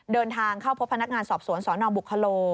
เดินทางเข้าพบพนักงานสอบสวนสนบุคโล